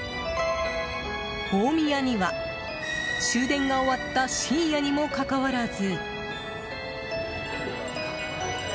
大宮には、終電が終わった深夜にもかかわらず。